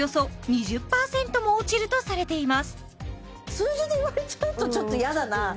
数字で言われちゃうとちょっと嫌だな